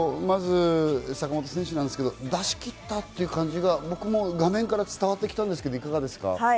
まず坂本選手ですが、出し切ったという感じが僕も画面から伝わってきたんですが、いかがですか？